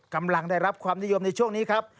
กำลังได้รับความนิยมในช่วงนี้ครับ